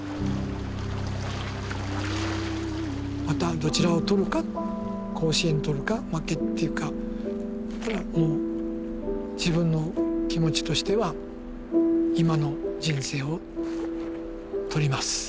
またどちらを取るか甲子園取るか負けっていうかならもう自分の気持ちとしては今の人生を取ります。